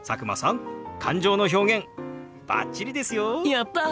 やった！